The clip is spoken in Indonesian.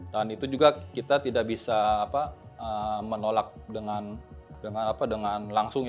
dan itu juga kita tidak bisa menolak dengan langsung